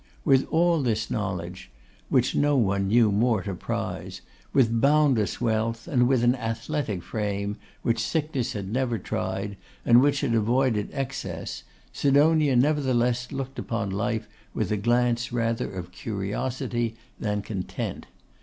With all this knowledge, which no one knew more to prize, with boundless wealth, and with an athletic frame, which sickness had never tried, and which had avoided excess, Sidonia nevertheless looked upon life with a glance rather of curiosity than content.